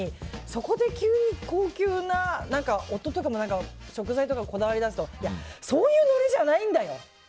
そこで急に高級な夫とかも食材とかこだわりだすとそういうノリじゃないんだよ。